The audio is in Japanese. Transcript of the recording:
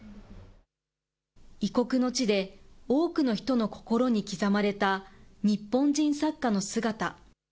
異国の地で多くの人の心に刻まれた、日本人作家の姿。